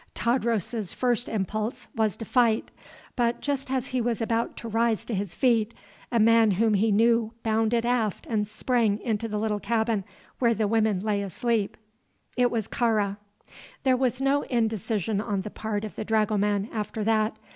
Tadros' first impulse was to fight; but just as he was about to rise to his feet a man whom he knew bounded aft and sprang into the little cabin where the women lay asleep. It was Kāra. There was no indecision on the part of the dragoman after that.